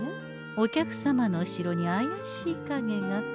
お客様の後ろにあやしいかげが。